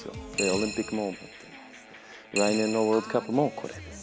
オリンピックも、来年のワールドカップもこれ。